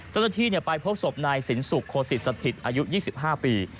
เจ้าหน้าที่ไปพบศพนายสินสุขโคสิตสถิตอายุ๒๕ปี